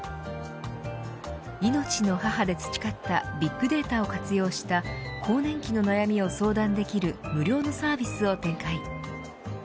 命の母で培ったビッグデータを活用した更年期の悩みを相談できる無料のサービスを展開。